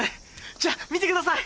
じゃあ見てください。